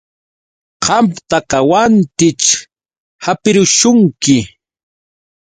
Qamtaqa wantićh hapirishunki.